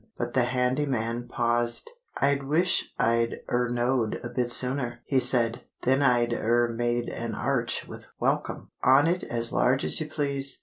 But the handy man paused— "I wish I'd er knowed a bit sooner," he said, "then I'd er made an arch with 'Welcome' on it as large as you please.